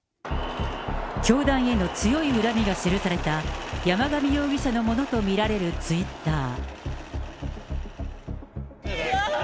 教団への強い恨みが記された、山上容疑者のものと見られるツイッター。